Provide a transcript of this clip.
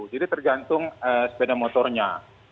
jadi tergantung sepeda motornya